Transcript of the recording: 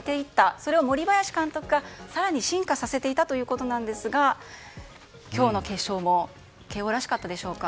それを森林監督が更に進化させていったということですが今日の決勝も慶應らしかったでしょうか。